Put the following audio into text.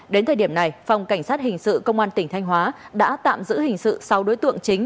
đến thời điểm này phòng cảnh sát hình sự công an tỉnh thanh hóa đã tạm giữ hình sự sáu đối tượng chính